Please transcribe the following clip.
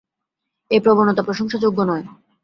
এই প্রবণতা প্রশংসাযোগ্য নয়।